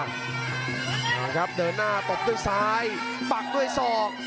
มาครับเดินหน้าตบด้วยซ้ายปักด้วยศอก